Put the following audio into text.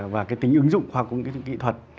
và cái tính ứng dụng hoặc cũng cái kỹ thuật